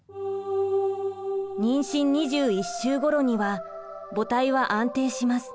妊娠２１週ごろには母胎は安定します。